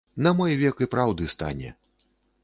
На мой век і праўды стане.